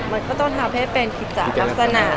มันก็ต้องทำให้เป็นกิจจากลักษณะ